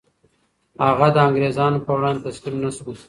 هغه د انګریزانو په وړاندې تسلیم نه شو.